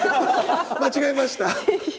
間違えました。